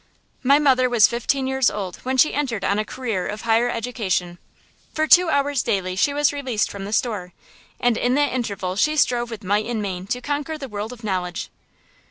My mother was fifteen years old when she entered on a career of higher education. For two hours daily she was released from the store, and in that interval she strove with might and main to conquer the world of knowledge.